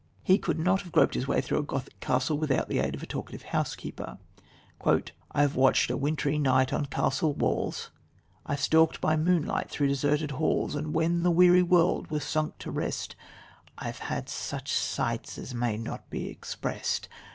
" He could have groped his way through a Gothic castle without the aid of a talkative housekeeper: "I've watched a wintry night on castle walls, I've stalked by moonlight through deserted halls, And when the weary world was sunk to rest I've had such sights as may not be expressed.